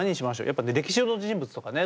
やっぱ歴史上の人物とかね